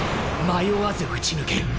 迷わず撃ち抜ける。